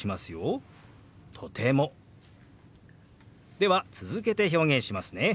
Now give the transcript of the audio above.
では続けて表現しますね。